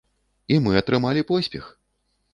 І мы атрымалі поспех.